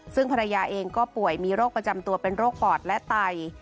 ซึ่งภรรยาเองก็ป่วยมีโรคประจำตัวเป็นโรคปอดและไต